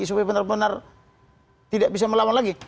supaya benar benar tidak bisa melawan lagi